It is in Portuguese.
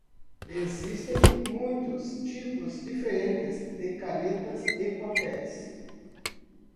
Existem muitos tipos diferentes de canetas e papéis.